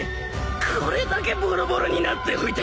これだけぼろぼろになっておいて！